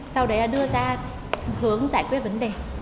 sau đấy là đưa ra hướng giải quyết vấn đề